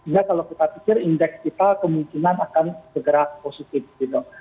sehingga kalau kita pikir indeks kita kemungkinan akan bergerak positif gitu